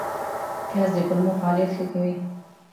پیاز د کولمو فعالیت ښه کوي